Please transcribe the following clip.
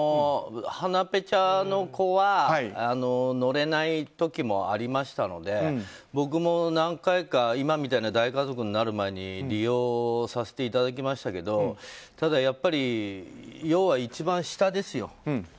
鼻ぺちゃの子は乗れない時もありましたので僕も何回か大家族になる前に利用させていただきましたけどただ、やっぱり要は一番下ですよ。